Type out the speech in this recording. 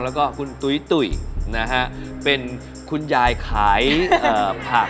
แล้วก็คุณตุ๋ยเป็นคุณยายขายผัก